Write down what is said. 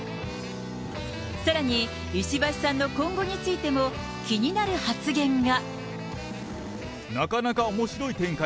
さらに、石橋さんの今後についても、気になる発言が。